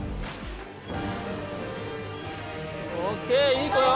いい子よ！